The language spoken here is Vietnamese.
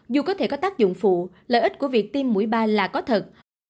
dù có thể có tác dụng phụ lợi ích của việc tiêm mũi ba là có thật